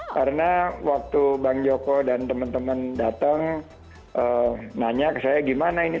karena waktu bang joko dan teman teman datang nanya ke saya gimana ini